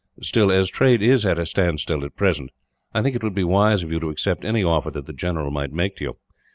"Still, as trade is at a standstill at present, I think that it would be wise of you to accept any offer that the general might make to you.